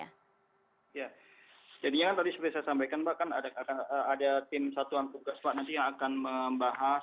ya jadinya kan tadi seperti saya sampaikan mbak kan ada tim satuan tugas pak nanti yang akan membahas